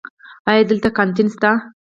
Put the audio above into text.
ایا دلته کانتین شته؟